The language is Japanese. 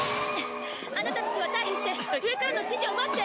あなたたちは退避して上からの指示を待って。